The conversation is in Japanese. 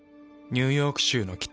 ニューヨーク州の北。